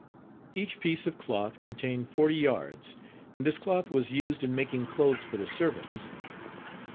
Each piece of cloth contained forty yards, and this cloth was used in making clothes for the servants.